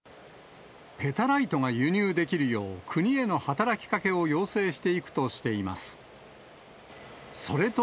ペタライトが輸入できるよう、国への働きかけを要請していくとしています。